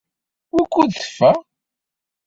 Wukud teffeɣ?